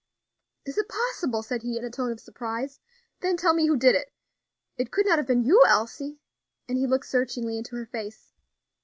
"Is it possible?" said he, in a tone of surprise; "then tell me who did do it. It could not have been you, Elsie?" and he looked searchingly into her face.